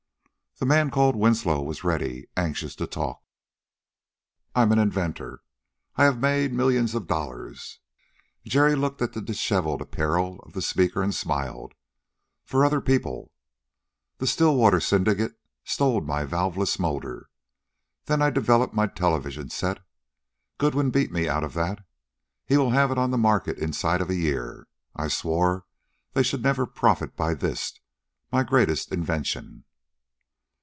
The man called Winslow was ready anxious to talk. "I am an inventor. I have made millions of dollars" Jerry looked at the disheveled apparel of the speaker and smiled "for other people. The Stillwater syndicate stole my valveless motor. Then I developed my television set. Goodwin beat me out of that: he will have it on the market inside of a year. I swore they should never profit by this, my greatest invention."